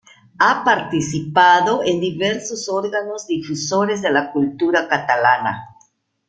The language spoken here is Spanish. Ha participado en diversos órganos difusores de la cultura catalana.